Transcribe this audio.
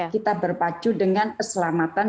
kita berpacu dengan keselamatan